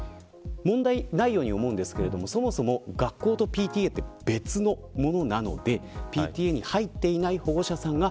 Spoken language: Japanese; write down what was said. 問題ないように思いますけどそもそも、学校とＰＴＡは別のものなので、ＰＴＡに入っていない保護者さんが